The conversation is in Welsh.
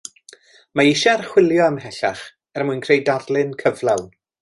Mae eisiau archwilio ym mhellach er mwyn creu darlun cyflawn